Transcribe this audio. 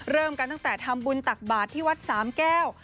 เริ่มกันตั้งแต่ทำบุญตักบาทที่วัดสามแก้ว